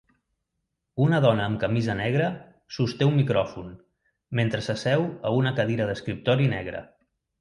Una dona amb camisa negra sosté un micròfon mentre s'asseu a una cadira d'escriptori negra.